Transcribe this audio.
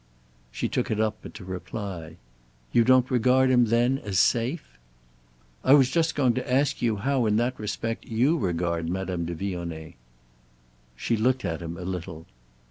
She took it up but to reply. "You don't regard him then as safe?" "I was just going to ask you how in that respect you regard Madame de Vionnet." She looked at him a little.